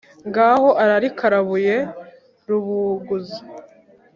ngaho ararikarambuye rubuguza,